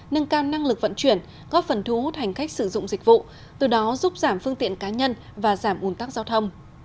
nâng cao năng lực vận chuyển góp phần thu hút hành khách sử dụng dịch vụ từ đó giúp giảm phương tiện cá nhân và giảm ủn tắc giao thông